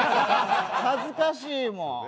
恥ずかしいもん。